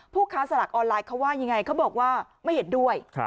ค้าสลากออนไลน์เขาว่ายังไงเขาบอกว่าไม่เห็นด้วย